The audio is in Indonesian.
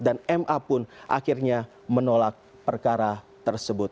dan ma pun akhirnya menolak perkara ini